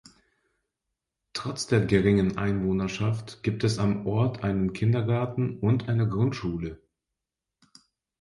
Trotz der geringen Einwohnerschaft gibt es am Ort einen Kindergarten und eine Grundschule.